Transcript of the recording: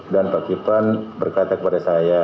dan pak kipran berkata kepada saya